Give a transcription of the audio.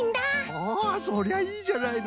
おそりゃいいじゃないの。